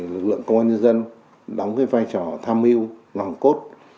lực lượng công an nhân dân đóng vai trò tham mưu lòng cốt